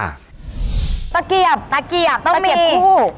ตะเกียบตะเกียบตะเกียบตะเกียบคู่